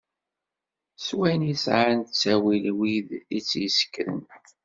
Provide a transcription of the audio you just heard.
S wayen i sɛan d ttawil wid i t-id-yessekren.